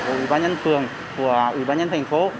của ủy ban nhân phường của ủy ban nhân thành phố